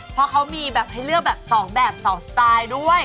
เพราะเขามีแบบให้เลือกแบบ๒แบบ๒สไตล์ด้วย